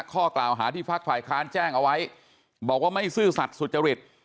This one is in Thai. ข้อกล่าวหาที่พักฝ่ายค้านแจ้งเอาไว้บอกว่าไม่ซื่อสัตว์สุจริต